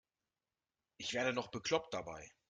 Ich werde noch bekloppt dabei.